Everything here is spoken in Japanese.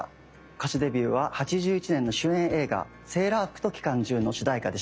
歌手デビューは８１年の主演映画「セーラー服と機関銃」の主題歌でした。